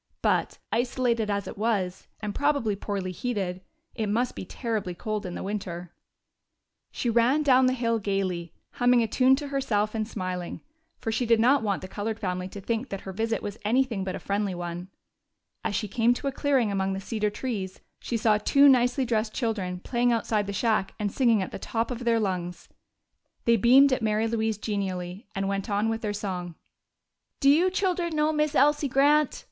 But, isolated as it was, and probably poorly heated, it must be terribly cold in winter. She ran down the hill gayly, humming a tune to herself and smiling, for she did not want the colored family to think that her visit was anything but a friendly one. As she came to a clearing among the cedar trees she saw two nicely dressed children playing outside the shack and singing at the top of their lungs. They beamed at Mary Louise genially and went on with their song. "Do you children know Miss Elsie Grant?"